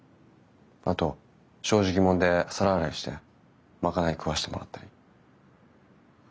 あとしょうじきもんで皿洗いして賄い食わしてもらったり。